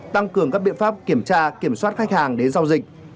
tăng cường các biện pháp kiểm tra kiểm soát khách hàng đến giao dịch